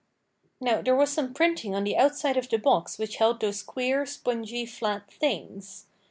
Now, there was some printing on the outside of the box which held those queer, spongy, flat things.